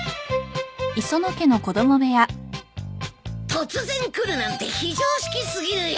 突然来るなんて非常識過ぎるよ！